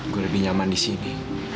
gue lebih nyaman di sini